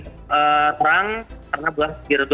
terang karena bulan segera